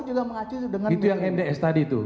juga mengacu dengan itu itu yang mds tadi itu